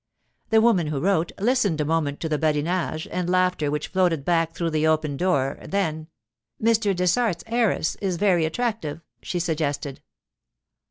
The woman who wrote listened a moment to the badinage and laughter which floated back through the open door; then, 'Mr. Dessart's heiress is very attractive,' she suggested.